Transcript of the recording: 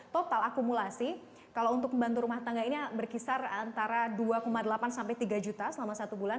total akumulasi kalau untuk membantu rumah tangga ini berkisar antara dua delapan sampai tiga juta selama satu bulan